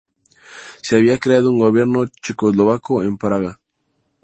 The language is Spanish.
Se había creado un gobierno checoslovaco en Praga.